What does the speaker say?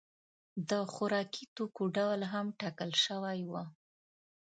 د خوراکي توکو ډول هم ټاکل شوی و.